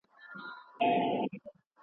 د محلي ادبیاتو پروژې د ټولنې لید پراخه کوي.